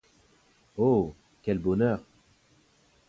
Oh ! quel bonheur !